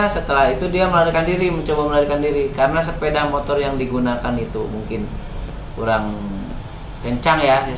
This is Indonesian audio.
setelah itu dia melarikan diri mencoba melarikan diri karena sepeda motor yang digunakan itu mungkin kurang kencang ya